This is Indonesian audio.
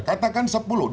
katakan sepuluh dua puluh